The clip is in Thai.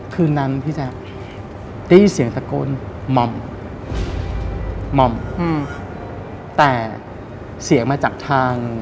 คืนนั้นพี่แจ๊คได้ยินเสียงตะโกนหม่อมหม่อมอืมแต่เสียงมาจากทาง